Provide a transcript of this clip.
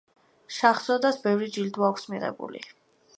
შაჰზოდამ ბევრი ჯილდო აქვს მიღებული.